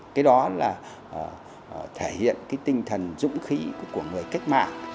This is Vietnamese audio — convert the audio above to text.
cái đó là thể hiện cái tinh thần dũng khí của người cách mạng